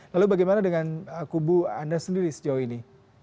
lalu bagaimana dengan kubu anda sendiri sejauh ini